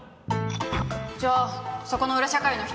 ちょっそこの裏社会の人。